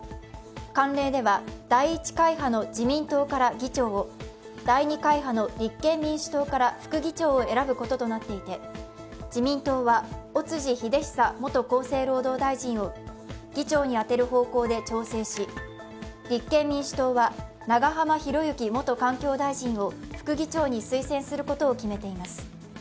慣例では第１会派の自民党から議長を第２会派の立憲民主党から副議長を選ぶことになっていて、自民党は尾辻秀久元厚生労働大臣を議長に当てる方向で調整し立憲民主党は長浜博行元環境大臣を副議長に推薦することを決めています。